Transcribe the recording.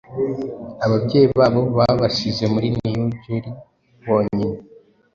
ababyeyi babo babasize muri New Jersey bonyine